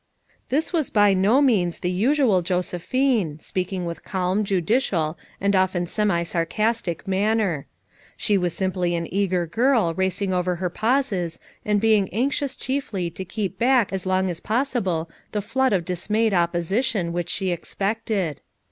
This was by no means the usual Josephine; speaking with calm, judicial, and often semi sarcastic manner. She was simply an eager girl racing over her pauses and being anxious chiefly to keep back as long as possible the flood of dismayed opposition which she expected.